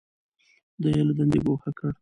دی یې له دندې ګوښه کړ.